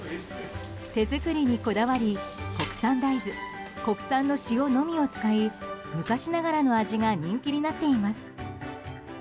手作りにこだわり国産大豆、国産の塩のみを使い昔ながらの味が人気になっています。